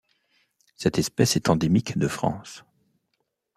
Cette espèce est endémique de France.